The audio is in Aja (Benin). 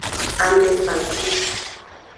Ame facu.